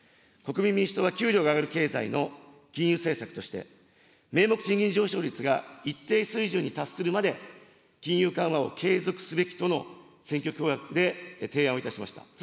国民民主党は給料が上がる経済の金融政策として、名目賃金上昇率が一定水準に達するまで、金融緩和を継続すべきとの選挙公約で提案をいたしました。